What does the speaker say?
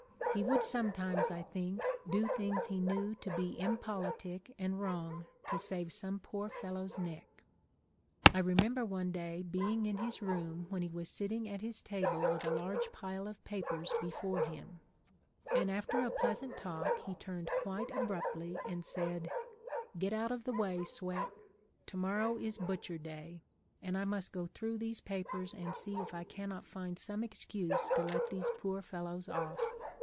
He would sometimes, I think, do things he knew to be impolitic and wrong to save some poor fellow's neck. I remember one day being in his room when he was sitting at his table with a large pile of papers before him, and after a pleasant talk he turned quite abruptly and said, ' Get out of the way, Swett ; to morrow is butcher da\', and I must go through these papers and see if I cannot find some excuse to let these poor fellows off.'